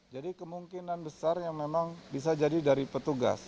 jadi kemungkinan besar yang memang bisa jadi dari petugas